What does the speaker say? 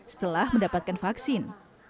setelah mendapatkan vaksin